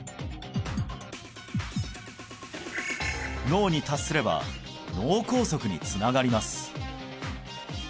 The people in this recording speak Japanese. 脳に達すれば脳梗塞につながります